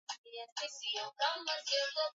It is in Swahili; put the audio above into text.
wa kijani unaweza ukakutana na nyoka huyo